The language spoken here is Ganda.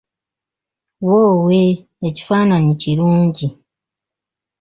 Woowe, ekifaananyi kirungi!